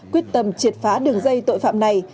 quyết tâm triệt phá đường dây tội phạm này